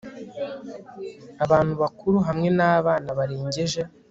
abantu bakuru hamwe n'abana barengeje